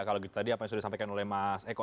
kalau tadi apa yang sudah disampaikan oleh mas eko